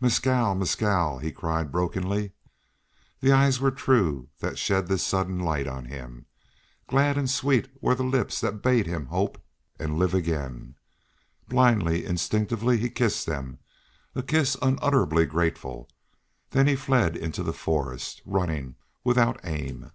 "Mescal Mescal!" he cried, brokenly. The eyes were true that shed this sudden light on him; glad and sweet were the lips that bade him hope and live again. Blindly, instinctively he kissed them a kiss unutterably grateful; then he fled into the forest, running without aim.